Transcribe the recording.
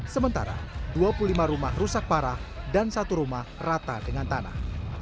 sementara dua puluh lima rumah rusak parah dan satu rumah rata dengan tanah